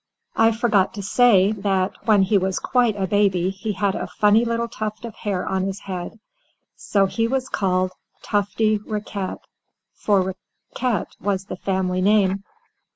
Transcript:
I forgot to say, that, when he was quite a baby, he had a funny little tuft of hair on his head, so he was called Tufty Riquet, for Riquet was the family name.